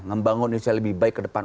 ngembangun indonesia lebih baik ke depan